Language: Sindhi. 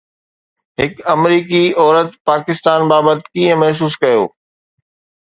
هڪ آمريڪي عورت پاڪستان بابت ڪيئن محسوس ڪيو؟